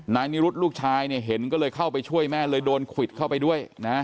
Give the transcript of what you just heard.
นิรุธลูกชายเนี่ยเห็นก็เลยเข้าไปช่วยแม่เลยโดนควิดเข้าไปด้วยนะ